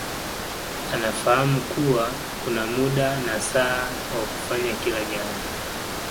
Anafahamu kuwa kuna muda na saa wa kufanya kila jambo